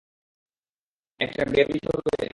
একটা বে ব্রিজ হবে?